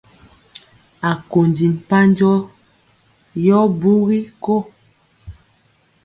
Akondi mpanjɔ yɔ ɓɔɔ bugi ko.